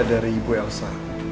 dari ibu elsa